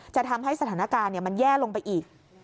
จะทำให้สถานการณ์มันแย่ลงไปอีก